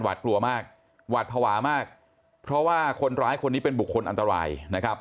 กลัวมากหวาดภาวะมากเพราะว่าคนร้ายคนนี้เป็นบุคคลอันตรายนะครับ